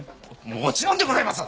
もちろんでございます！